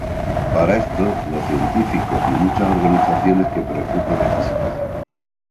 Para esto, los científicos y muchas organizaciones que preocupan esta situación.